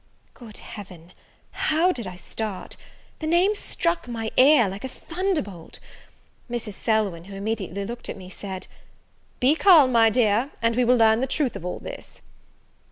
Good Heaven, how did I start! the name struck my ear like a thunderbolt. Mrs. Selwyn, who immediately looked at me, said, "Be calm, my dear, and we will learn the truth of all this."